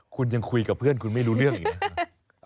คุณยังคุยกับเพื่อนคุณไม่รู้เรื่องอีกนะ